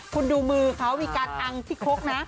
คุณดูมือเขามีการอังที่คกนะ